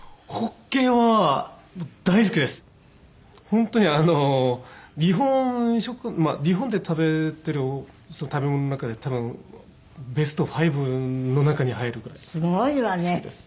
本当にあの日本食日本で食べてる食べ物の中で多分ベスト５の中に入るぐらい好きです。